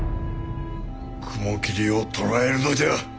雲霧を捕らえるのじゃ。